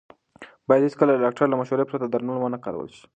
باید هېڅکله د ډاکټر له مشورې پرته درمل ونه کارول شي.